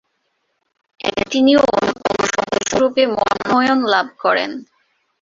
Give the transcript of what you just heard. এতে তিনিও অন্যতম সদস্যরূপে মনোনয়ন লাভ করেন।